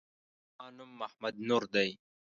زما نوم محمد نور دی